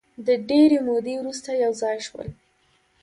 د ډېرې مودې وروسته یو ځای شول.